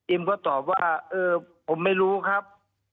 เอ็มก็ตอบว่าผมไม่รู้ครับ